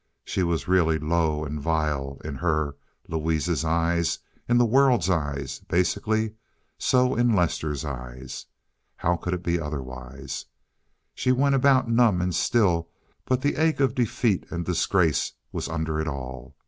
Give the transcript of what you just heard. She was really low and vile in her—Louise's—eyes, in the world's eyes, basically so in Lester's eyes. How could it be otherwise? She went about numb and still, but the ache of defeat and disgrace was under it all.